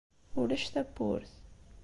Ulac tawwurt.